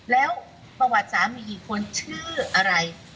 แล้วประวัติสามีกี่คนชื่ออะไร